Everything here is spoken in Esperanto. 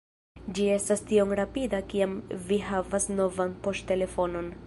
Ĝi estas tiom rapida kiam vi havas novan poŝtelefonon